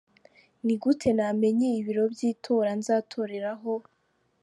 Ni gute namenya ibiro by’itora nzatoreraho?.